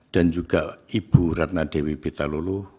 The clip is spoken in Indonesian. dan juga ibu ratna dewi betalolo